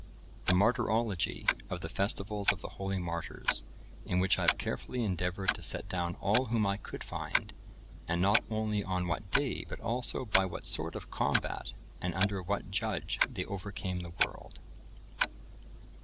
The Martyrology of the Festivals of the Holy Martyrs, in which I have carefully endeavoured to set down all whom I could find, and not only on what day, but also by what sort of combat, and under what judge they overcame the world.